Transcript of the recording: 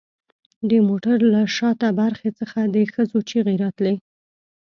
د موټر له شاته برخې څخه د ښځو چیغې راتلې